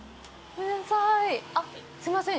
すいません。